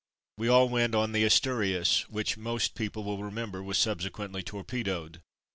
We all went on the Asturias^ which most people will remember was subsequently torpedoed.